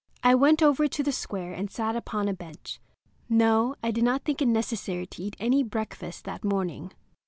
I went over to the square and sat upon a bench. No; I did not think it necessary to eat any breakfast that morning.